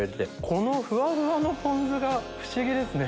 このふわふわのポン酢が不思議ですね。